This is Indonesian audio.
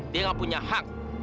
dia nggak punya hak